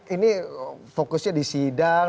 ini fokusnya di sidang